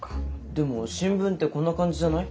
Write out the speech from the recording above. でも新聞ってこんな感じじゃない？